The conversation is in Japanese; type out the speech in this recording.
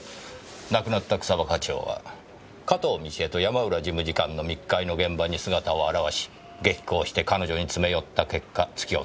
亡くなった草葉課長は加東倫恵と山浦事務次官の密会の現場に姿を現し激高して彼女に詰め寄った結果突き落とされてしまった。